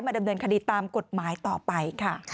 ดำเนินคดีตามกฎหมายต่อไปค่ะ